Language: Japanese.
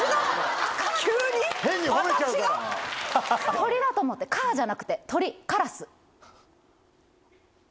鳥だと思ってカじゃなくて鳥カラス。